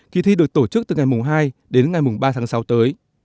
kỳ thi được tổ chức từ ngày hai đến ngày ba tháng sáu tới